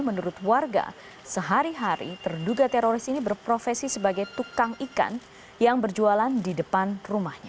menurut warga sehari hari terduga teroris ini berprofesi sebagai tukang ikan yang berjualan di depan rumahnya